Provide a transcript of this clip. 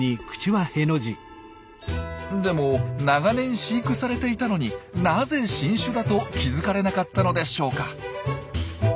でも長年飼育されていたのになぜ新種だと気付かれなかったのでしょうか？